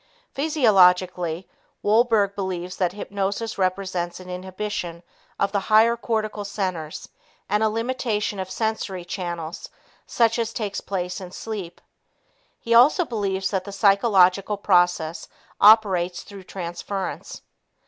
Physiologically, Wolberg believes that hypnosis represents an inhibition of the higher cortical centers, and a limitation of sensory channels such as takes place in sleep. He also believes that the psychological process operates through transference.